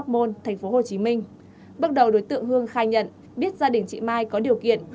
môn tp hcm bước đầu đối tượng hương khai nhận biết gia đình chị mai có điều kiện